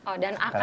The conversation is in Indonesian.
oh dan akan ya